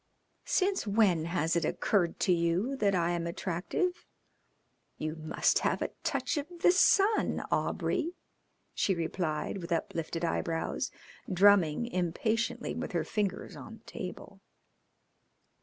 "Since when has it occurred to you that I am attractive? You must have a touch of the sun, Aubrey," she replied, with uplifted eyebrows, drumming impatiently with her fingers on the table.